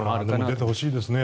出てほしいですね。